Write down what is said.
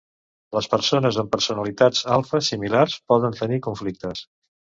Les persones amb personalitats alfa similars poden tenir conflictes.